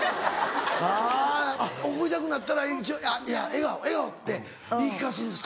あ怒りたくなったら笑顔笑顔って言い聞かすんですか。